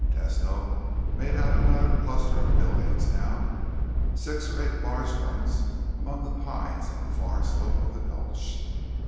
Tesno made out another cluster of buildings now, six or eight large ones among the pines on the far slope of the gulch.